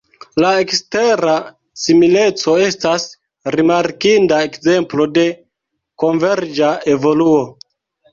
La ekstera simileco estas rimarkinda ekzemplo de konverĝa evoluo.